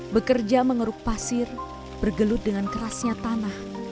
bekerja mengeruk pasir bergelut dengan kerasnya tanah